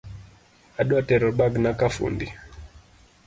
Adwa tero bagna kafundi